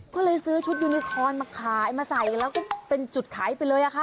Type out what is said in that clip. ก็เลยซื้อชุดยูนิคอนมาขายมาใส่แล้วก็เป็นจุดขายไปเลยค่ะ